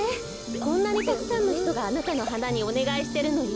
こんなにたくさんのひとがあなたのはなにおねがいしてるのよ。